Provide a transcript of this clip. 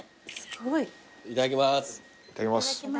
いただきます。